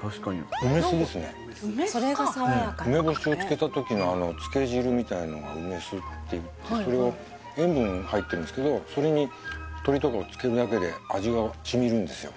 確かに梅酢かうん梅干しを漬けた時の漬け汁みたいのが梅酢っていってそれを塩分入ってるんですけどそれに鶏とかを漬けるだけで味が染みるんですよ